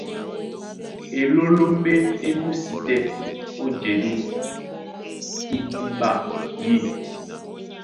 Elólómbé é búsi tɛ́ ó jedú idiɓa yî.